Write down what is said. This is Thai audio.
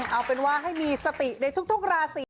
เอาเป็นว่าให้มีสติในทุกราศี